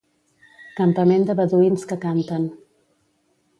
Campament de beduïns que canten.